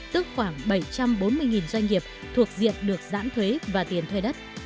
tức khoảng bảy trăm bốn mươi doanh nghiệp thuộc diện được giãn thuế và tiền thuê đất